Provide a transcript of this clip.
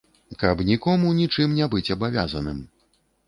Каб нікому нічым не быць абавязаным.